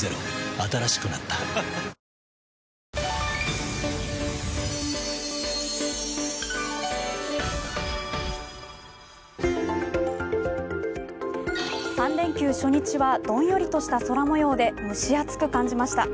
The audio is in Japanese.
新しくなった３連休初日は、どんよりとした空もようで蒸し暑く感じました。